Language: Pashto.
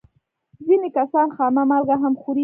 ځینې کسان خامه مالګه هم خوري.